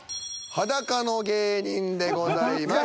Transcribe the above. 「裸の芸人」でございます。